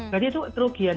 jadi itu kerugian